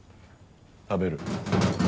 食べる。